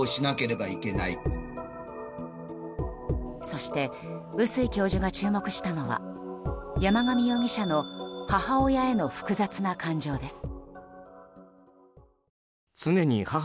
そして碓井教授が注目したのは山上容疑者の母親への複雑な感情です。